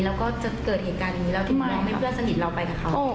แล้วก็จะเกิดเหตุการณ์อย่างนี้แล้วทำไมเพื่อนสนิทเราไปกับเขา